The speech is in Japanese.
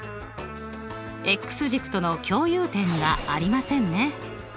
軸との共有点がありませんね。